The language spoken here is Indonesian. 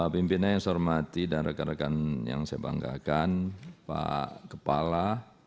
pimpinan yang saya hormati dan rekan rekan yang saya banggakan pak kepala